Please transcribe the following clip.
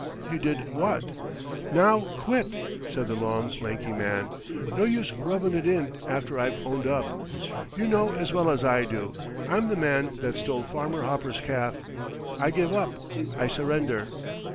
"You did what?" "Now, quit!" said the long, lanky man. "No use rubbin' it in after I've owned up. You know as well as I do I'm the man that stole Farmer Hopper's calf. I give up. I surrender."